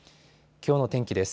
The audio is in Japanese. きょうの天気です。